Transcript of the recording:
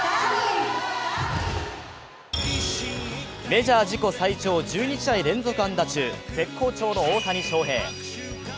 メジャー自己最長１２試合連続安打中、絶好調の大谷翔平。